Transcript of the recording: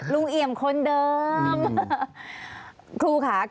ลุงเอี่ยมอยากให้อธิบดีช่วยอะไรไหม